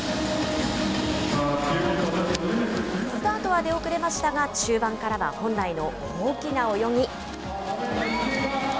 スタートは出遅れましたが、中盤からは本来の大きな泳ぎ。